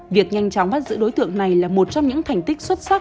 việc nhanh chóng bắt giữ đối tượng này là một trong những thành tích xuất sắc